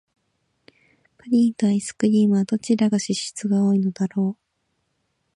プリンとアイスクリームは、どちらが脂質が多いのだろう。